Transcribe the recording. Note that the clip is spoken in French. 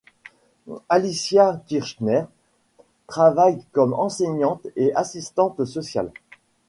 Alicia Kirchner travaille comme enseignante et assistante sociale.